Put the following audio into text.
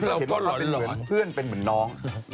เราก็เหมือนเพื่อนเป็นเหมือนน้อง